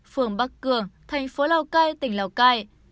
phường bắc cường thành phố lào cai tỉnh lào cai